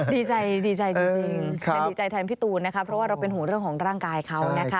ดีใจแถมพี่ตูนนะครับเพราะว่าเราเป็นหัวเรื่องของร่างกายเขา